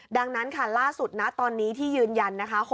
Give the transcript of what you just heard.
ดังนั้นค่ะล่าสุดนะตอนนี้ที่ยืนยันนะคะ